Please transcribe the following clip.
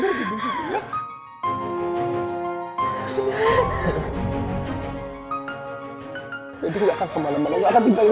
dan dia nggak akan mogelijkoh